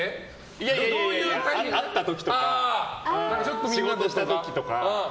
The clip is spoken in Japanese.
いやいや、会った時とか仕事した時とか。